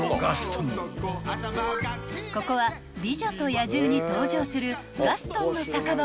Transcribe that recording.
［ここは『美女と野獣』に登場する］